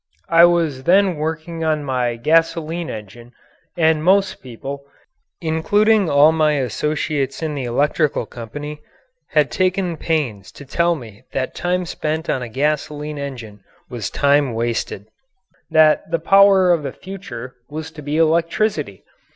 I was then working on my gasoline engine, and most people, including all of my associates in the electrical company, had taken pains to tell me that time spent on a gasoline engine was time wasted that the power of the future was to be electricity.